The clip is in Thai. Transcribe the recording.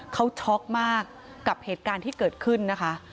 เขาช็อกมากกับเหตุการณ์ที่เกิดขึ้นนะคะ